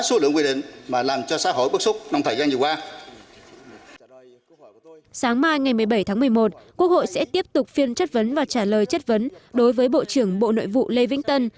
sáng mai ngày một mươi bảy tháng một mươi một quốc hội sẽ tiếp tục phiên chất vấn và trả lời chất vấn đối với bộ trưởng bộ nội vụ lê vĩnh tân